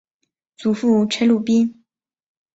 祖父陈鲁宾。